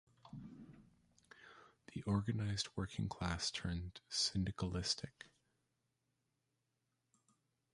The organized working class turned syndicalistic.